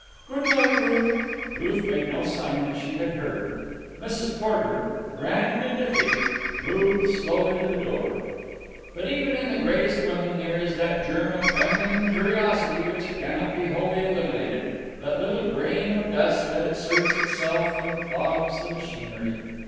"Good night, Ruth." Ruth made no sign that she had heard. Mrs. Porter, grand in defeat, moved slowly to the door. But even in the greatest women there is that germ of feminine curiosity which cannot be wholly eliminated, that little grain of dust that asserts itself and clogs the machinery.